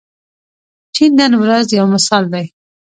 چین نن ورځ یو مثال دی.